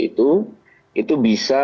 itu itu bisa